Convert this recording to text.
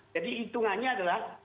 jadi hitungannya adalah